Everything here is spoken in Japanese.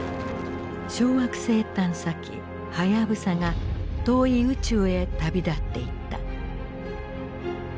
小惑星探査機はやぶさが遠い宇宙へ旅立っていった。